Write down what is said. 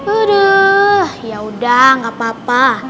aduh yaudah gak papa